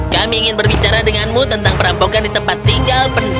kami ingin berbicara denganmu tentang perampokan di tempat tinggal